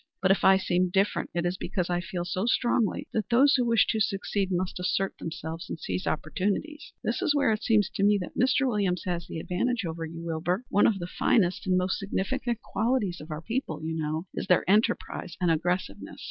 But, if I seem different, it is because I feel so strongly that those who wish to succeed must assert themselves and seize opportunities. There is where it seems to me that Mr. Williams has the advantage over you, Wilbur. One of the finest and most significant qualities of our people, you know, is their enterprise and aggressiveness.